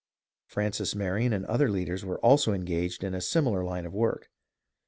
Francis Marion and other leaders were also engaged in a similar line of work.